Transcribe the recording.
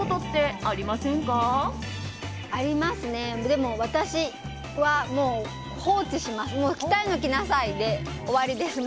でも、私は放置します。